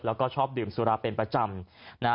แล้วก็ชอบดื่มสุราเป็นประจำนะฮะ